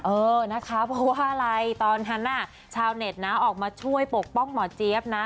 เออนะคะเพราะว่าอะไรตอนนั้นน่ะชาวเน็ตนะออกมาช่วยปกป้องหมอเจี๊ยบนะ